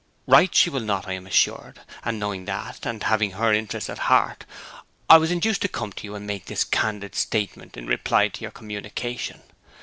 Write she will not, I am assured; and knowing that, and having her interest at heart, I was induced to come to you and make this candid statement in reply to your communication.